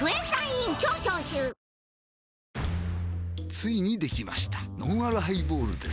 ついにできましたのんあるハイボールです